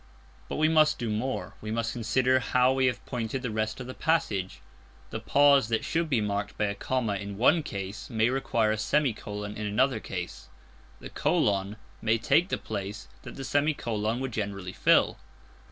But we must do more. We must consider how we have pointed the rest of the passage. The pause that should be marked by a comma in one case, may require a semicolon in another case; the colon may take the place that the semicolon would generally fill.